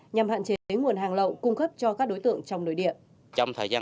nhằm hạn chế tới nguồn hàng lậu cung cấp cho các đối tượng trong nội địa